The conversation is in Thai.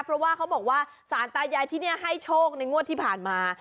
เพราะว่าเขาบอกว่าสารตายายที่นี่ให้โชคในงวดที่ผ่านมา